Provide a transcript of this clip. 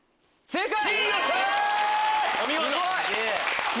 正解！